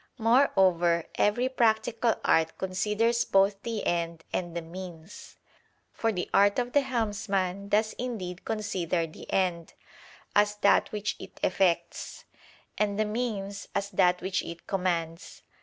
Moreover, every practical art considers both the end and the means. For the art of the helmsman does indeed consider the end, as that which it effects; and the means, as that which it commands.